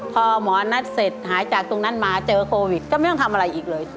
พอหมอนัดเสร็จหายจากตรงนั้นมาเจอโควิดก็ไม่ต้องทำอะไรอีกเลย